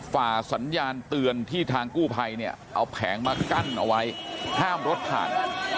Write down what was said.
ฝ่าสัญญาณเตือนที่ทางกู้ภัยเนี่ยเอาแผงมากั้นเอาไว้ห้ามรถผ่าน